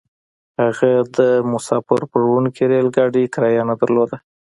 هغه د مساپر وړونکي ريل ګاډي کرايه نه درلوده.